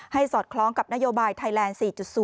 สอดคล้องกับนโยบายไทยแลนด์๔๐